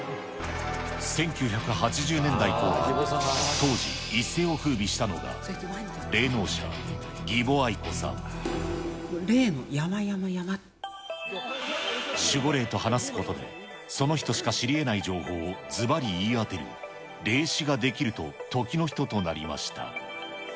１９８０年代後半、当時、一世をふうびしたのが霊能者、宜保愛子もう霊の山、山、山。守護霊と話すことで、その人しか知りえない情報をずばり言い当てる、霊視ができると時の人となりました。